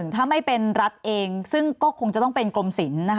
ถ้าไม่เป็นรัฐเองซึ่งก็คงจะต้องเป็นกรมศิลป์นะคะ